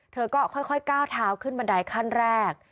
เธอก็ค่อยก้าวเท้าขึ้นบันไดขั้นแรก